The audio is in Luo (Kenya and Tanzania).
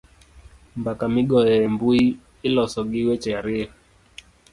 mbaka migoyo e mbui iloso gi weche ariyo